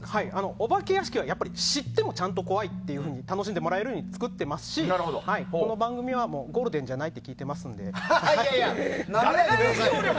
お化け屋敷は知ってもちゃんと怖いって楽しんでもらえるように作っていますしこの番組はゴールデンじゃないと聞いていますので。